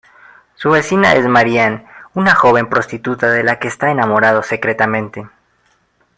Su vecina es Marianne, una joven prostituta de la que está enamorado secretamente.